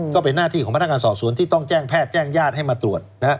ก็เป็นหน้าที่ของพนักงานสอบสวนที่ต้องแจ้งแพทย์แจ้งญาติให้มาตรวจ